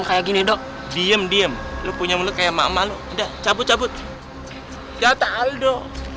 kayak gini dok diem diem lu punya mulut kayak mama udah cabut cabut jatah aldo